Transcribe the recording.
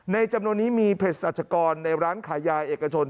ในจำนวนนี้มีผ่านอย่างหมาในร้านขายายเอกชน